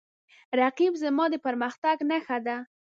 رقیب زما د پرمختګ نښه ده